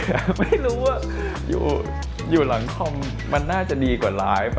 แต่ไม่รู้ว่าอยู่หลังคอมมันน่าจะดีกว่าไลฟ์